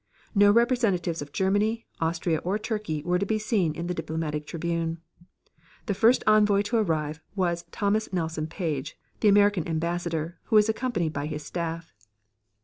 No representatives of Germany, Austria or Turkey were to be seen in the diplomatic tribune. The first envoy to arrive was Thomas Nelson Page, the American Ambassador, who was accompanied by his staff.